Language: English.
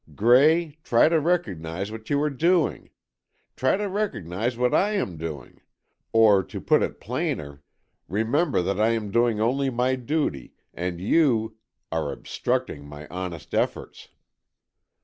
Gray, try to recognize what you are doing. Try to recognize what I am doing. Or to put it plainer, remember that I am doing only my duty, and you—are obstructing my honest efforts."